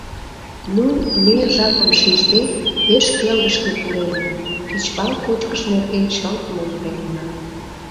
Ну, ме, жапым шижде, пеш келгышке пуренна, кечывал кочкыш нерген чылт монденна.